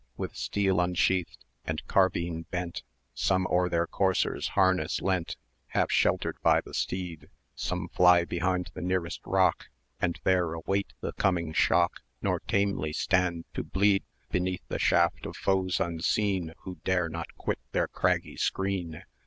With steel unsheathed, and carbine bent, Some o'er their courser's harness leant, 580 Half sheltered by the steed; Some fly beneath the nearest rock, And there await the coming shock, Nor tamely stand to bleed Beneath the shaft of foes unseen, Who dare not quit their craggy screen.